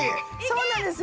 そうなんですよ。